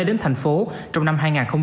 đến thành phố trong năm hai nghìn một mươi chín